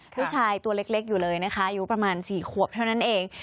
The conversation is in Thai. ตัวเล็กอยู่เลยนะคะอายุประมาณ๔ขวบเท่านั้นเอง